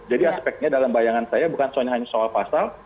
jadi aspeknya dalam bayangan saya bukan hanya soal pasal